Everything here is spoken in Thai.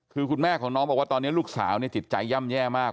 คือคุณแม่ของน้องบอกว่าตอนนี้ลูกสาวจิตใจย่ำแย่มาก